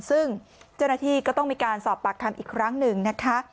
ซึ่งเจ้าหน้าที่ก็ต้องมีการสอบปากคำอีกครั้งหนึ่งนะคะ